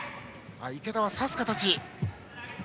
池田は差す形。